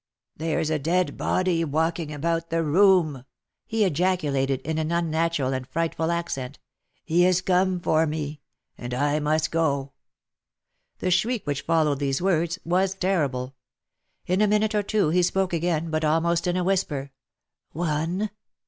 " There's a dead body walking about the room!" he ejaculated in an unnatural and frightful accent. " He is come for me ! and I must go !" The shriek which followed these words was terrible. In a minute or two he spoke again, but almost in a whisper. "One?